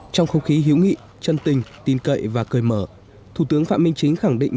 trong không khí hữu nghị chân tình tin cậy và cười mở thủ tướng phạm minh chính khẳng định